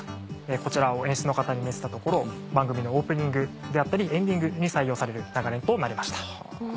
こちらを演出の方に見せたところ番組のオープニングであったりエンディングに採用される流れとなりました。